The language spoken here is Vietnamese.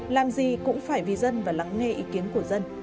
làm gì cũng phải vì dân và lắng nghe ý kiến của dân